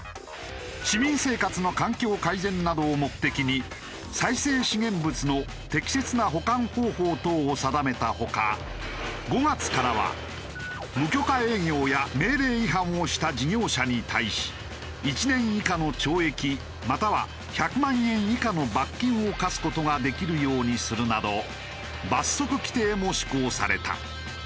市民生活の環境改善などを目的に再生資源物の適切な保管方法等を定めた他５月からは無許可営業や命令違反をした事業者に対し１年以下の懲役または１００万円以下の罰金を科す事ができるようにするなど罰則規定も施行された。